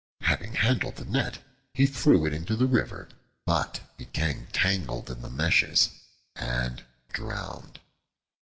Having handled the net, he threw it into the river, but became tangled in the meshes and drowned.